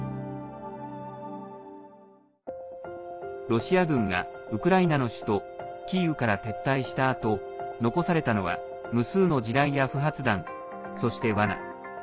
ロシア軍がウクライナの首都キーウから撤退したあと残されたのは無数の地雷や不発弾そして、わな。